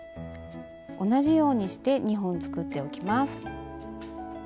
同じようにして２本作っておきます。